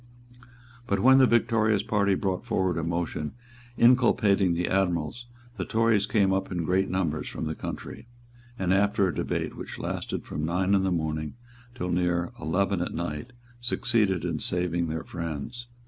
But when the victorious party brought forward a motion inculpating the admirals, the Tories came up in great numbers from the country, and, after a debate which lasted from nine in the morning till near eleven at night, succeeded in saving their friends.